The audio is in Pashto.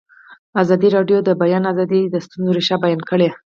ازادي راډیو د د بیان آزادي د ستونزو رېښه بیان کړې.